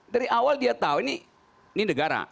dari awal dia tahu ini negara